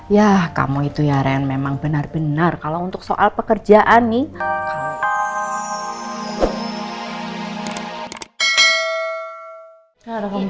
ya kamu itu ya ren memang benar benar kalau untuk soal pekerjaan nih